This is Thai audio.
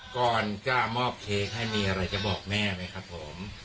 ก่อนจะมอบเค้กให้มีอะไรจะบอกแม่ไหมครับผม